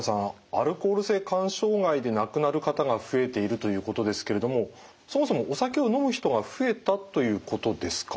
アルコール性肝障害で亡くなる方が増えているということですけれどもそもそもお酒を飲む人が増えたということですか？